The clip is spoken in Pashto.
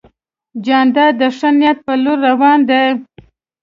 جانداد د ښه نیت په لور روان دی.